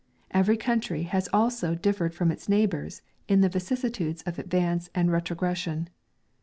Every country has also differed from its neighbours in the vicissitudes of advance and retrogression.